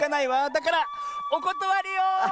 だからおことわりよ！